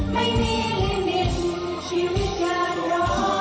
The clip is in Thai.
ไม่มีลิมิตชีวิตการรอ